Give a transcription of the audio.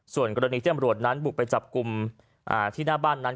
ส่วนกรณีที่อำรวจนั้นบุกไปจับกลุ่มที่หน้าบ้านนั้น